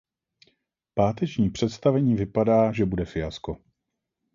Páteční představení vypadá, že bude fiasko.